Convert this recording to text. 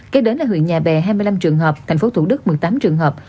kế đến là huyện nhà bè hai mươi năm trường hợp tp thủ đức một mươi tám trường hợp